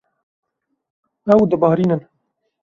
Ew dibarînin.